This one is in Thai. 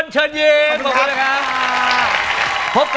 ใช่ค่ะ